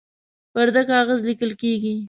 پر ده کاغذ لیکل کیږي